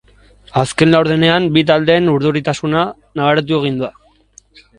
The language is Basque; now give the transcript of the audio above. Azken laurdenean bi taldeen urduritasuna nabaritu egin da.